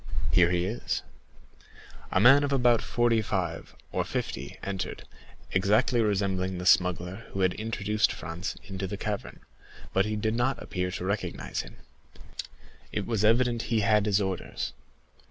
Here he is." A man of about forty five or fifty entered, exactly resembling the smuggler who had introduced Franz into the cavern; but he did not appear to recognize him. It was evident he had his orders.